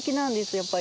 やっぱり。